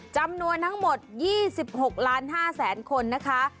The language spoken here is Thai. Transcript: จำนวนทั้งหมด๒๖๕๐๐๐๐๐คนนะคะ